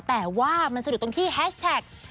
แต่ว่ามันสะดุดตรงที่แฮชแท็ก